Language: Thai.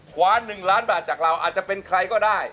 คว้า๑ล้านบาทจากเราอาจจะเป็นใครก็ได้